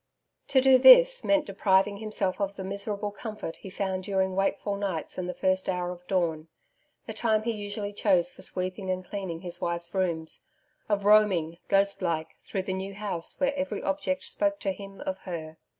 To do this meant depriving himself of the miserable comfort he found during wakeful nights and the first hour of dawn the time he usually chose for sweeping and cleaning his wife's rooms of roaming, ghost like, through the New House where every object spoke to him of her.